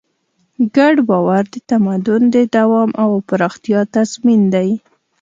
ګډ باور د تمدن د دوام او پراختیا تضمین دی.